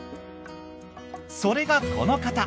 それがこの方。